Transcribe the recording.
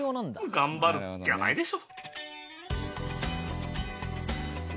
頑張るっきゃないでしょ！